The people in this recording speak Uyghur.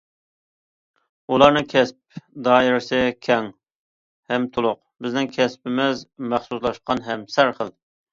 ئۇلارنىڭ كەسىپ دائىرىسى كەڭ ھەم تولۇق، بىزنىڭ كەسپىمىز مەخسۇسلاشقان ھەم سەرخىل.